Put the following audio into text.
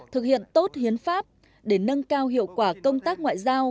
thực hiện tốt hiến pháp để nâng cao hiệu quả công tác ngoại giao